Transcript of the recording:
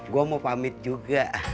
gue mau pamit juga